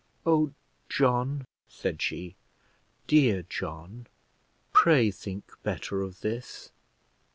"Oh, John," said she, "dear John, pray think better of this."